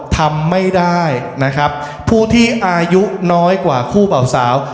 ทำไม่ได้นะครับผู้ที่อายุน้อยกว่าคู่เป่าสาว